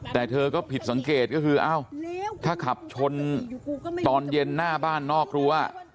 แต่เธอก็ผิดสังเกตก็คืออ้าวถ้าขับชนตอนเย็นหน้าบ้านนอกรั้ว